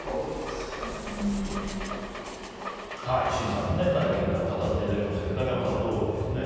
Ｃさんの体験談を語っていただきましたが竹山さん、どうでしょうね。